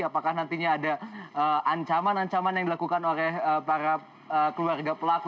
apakah nantinya ada ancaman ancaman yang dilakukan oleh para keluarga pelaku